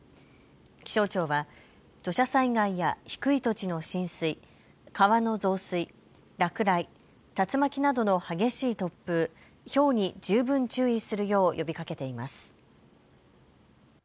気象庁は土砂災害や低い土地の浸水、川の増水、落雷、竜巻などの激しい突風、ひょうに十分注意するよう呼びかけています。